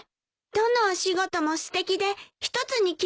どのお仕事もすてきで一つに決められないの。